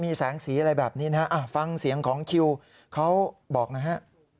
มีแสงสีอะไรแบบนี้นะฮะฟังเสียงของคิวเขาบอกนะฮะ